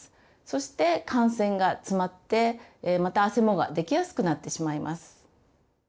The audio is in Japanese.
そして汗腺が詰まってまたあせもができやすくなってしまいます。